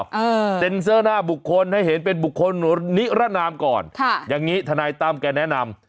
เออเซ็นเซอร์หน้าบุคคลให้เห็นเป็นบุคคลนิรนามก่อนค่ะอย่างงี้ทนายตั้มแกแนะนำ